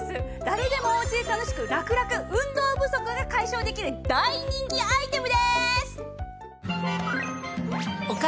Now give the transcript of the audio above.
誰でもおうちで楽しくラクラク運動不足が解消できる大人気アイテムです！